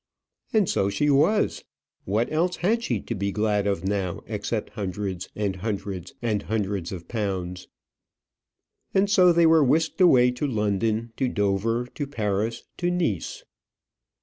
And so she was. What else had she to be glad of now, except hundreds and hundreds and hundreds of pounds? And so they were whisked away to London, to Dover, to Paris, to Nice.